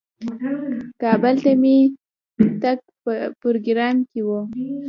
کابل ته مې تګ په پروګرام کې و.